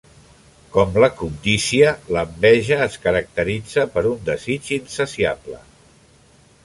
Com la cobdícia, l'enveja es caracteritza per un desig insaciable.